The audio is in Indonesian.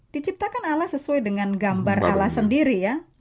diciptakan allah sesuai dengan gambar allah sendiri ya